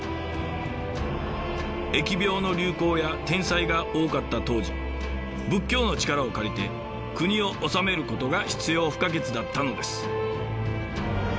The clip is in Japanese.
疫病の流行や天災が多かった当時仏教の力を借りて国を治めることが必要不可欠だったのです。